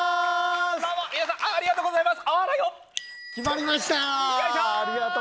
皆さんありがとうございますあらよっと！